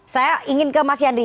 saya ingin ke mas yandri